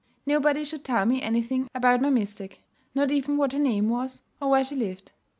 Nobody should tell me anything about my mystic not even what her name was, or where she lived!